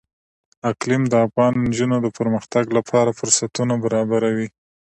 اقلیم د افغان نجونو د پرمختګ لپاره فرصتونه برابروي.